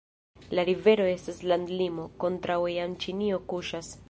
La rivero estas landlimo, kontraŭe jam Ĉinio kuŝas.